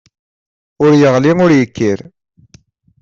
Ur yeɣli ur yekkir.